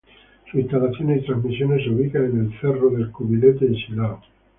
Sus instalaciones y transmisiones se ubican en el Cerro del Cubilete en Silao.